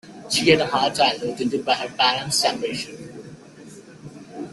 She had a hard childhood, tinted by her parents' separation.